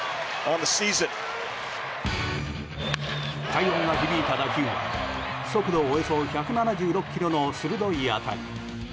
快音が響いた打球は速度およそ１７６キロの鋭い当たり。